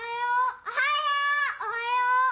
おはよう！